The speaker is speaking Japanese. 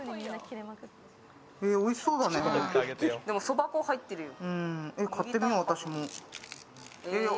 でもそば粉入ってるよ。